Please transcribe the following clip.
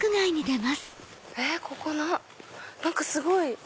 ここ何かすごい！